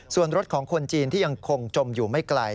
ส่วนรถของคนจีนที่ยังคงจมอยู่ไม่ไกล